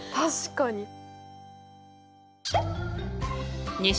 確かに。